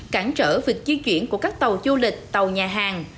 cản trở việc di chuyển của các tàu du lịch tàu nhà hàng